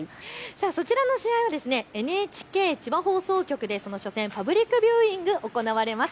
そちらの試合はＮＨＫ千葉放送局でその初戦、パブリックビューイングが行われます。